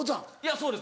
そうです